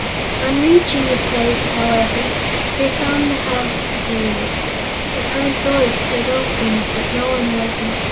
On reaching the place, how ever, they found the house deserted. The front door stood open, but no one was inside.